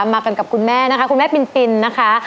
มากันกับคุณแม่นะคะคุณแม่ปินนะคะ